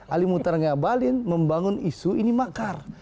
ali mutar ngabalin membangun isu ini makar